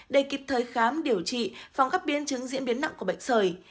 để kịp thời khám điều trị phòng các biến chứng diễn biến nặng của bệnh sởi